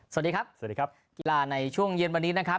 สวัสดีครับสวัสดีครับกีฬาในช่วงเย็นวันนี้นะครับ